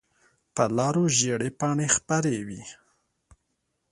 په لارو زېړې پاڼې خپرې وي